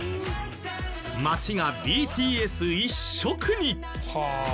街がＢＴＳ一色に！